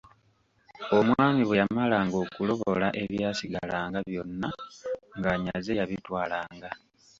Omwami bwe yamalanga okulobola ebyasigalanga byonna ng’anyaze yabitwalanga.